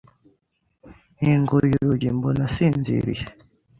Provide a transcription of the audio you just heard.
Nkinguye urugi, mbona asinziriye